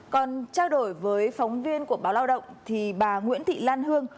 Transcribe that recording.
còn trao đổi với phóng viên của báo lao động thì bà nguyễn thị lan hương